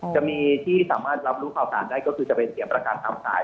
จะมีที่สามารถรับรู้ข่าวสารได้ก็คือจะเป็นเสียประกันทางสาย